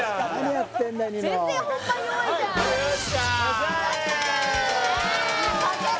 やった！